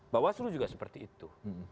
bawah seluruh juga seperti itu